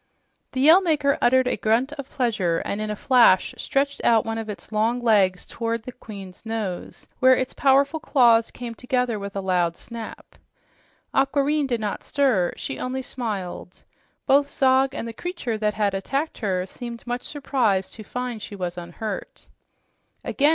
The Yell Maker uttered a grunt of pleasure and in a flash stretched out one of its long legs toward the queen's nose, where its powerful claws came together with a loud noise. Aquareine did not stir; she only smiled. Both Zog and the creature that had attacked her seemed much surprised to find she was unhurt. "Again!"